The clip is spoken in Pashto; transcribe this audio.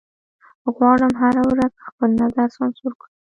غواړم هره ورځ خپل نظر سانسور کړم